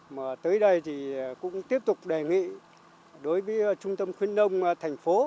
mà tới đây thì cũng tiếp tục đề nghị đối với trung tâm khuyến nông thành phố